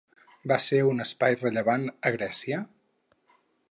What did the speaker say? Va ser un espai rellevant a Grècia?